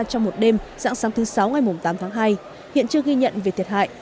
trong một đêm dạng sáng thứ sáu ngày tám tháng hai hiện chưa ghi nhận về thiệt hại